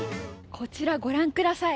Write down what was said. こちら、ご覧ください。